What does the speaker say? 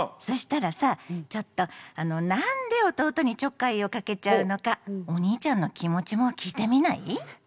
そしたらさちょっとなんで弟にちょっかいをかけちゃうのかお兄ちゃんの気持ちも聞いてみない？